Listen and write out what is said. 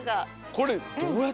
これ。